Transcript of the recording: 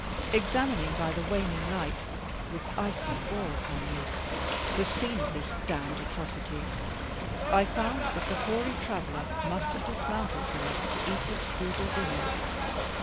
Examining by the waning light, with icy awe upon me, the scene of this damned atrocity, I found that the hoary traveller must have dismounted here, to eat his frugal dinner.